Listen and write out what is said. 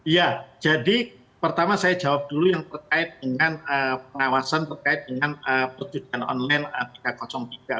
ya jadi pertama saya jawab dulu yang terkait dengan pengawasan terkait dengan perjudian online tiga ratus tiga